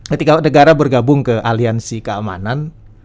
ketika negara bergabung ke aliansi keamanan